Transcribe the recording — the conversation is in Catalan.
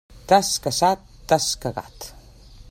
T'has casat, t'has cagat.